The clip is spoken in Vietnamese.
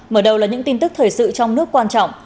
mở đầu là những tin tức thời sự trong nước quan trọng